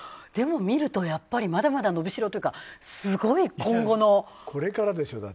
でも見ると、まだやっぱりまだまだ伸びしろというかすごい今後の。